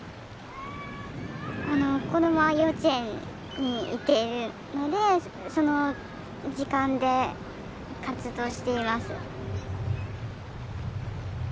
子どもは幼稚園に行ってるのでその時間で活動しています。